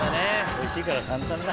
おいしいから簡単だ。